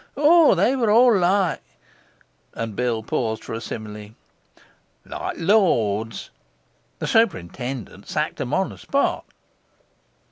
O, they were all like' and Bill paused for a simile 'like lords! The superintendent sacked them on the spot.